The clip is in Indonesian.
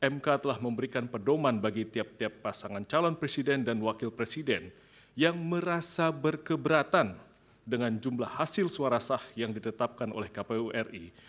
mk telah memberikan pedoman bagi tiap tiap pasangan calon presiden dan wakil presiden yang merasa berkeberatan dengan jumlah hasil suara sah yang ditetapkan oleh kpu ri